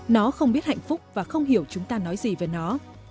nó không biết hạnh phúc và không hiểu chúng ta nói gì về nó